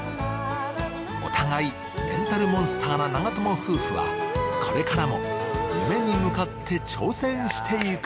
お互いメンタルモンスターな長友夫婦はこれからも夢に向かって挑戦していく。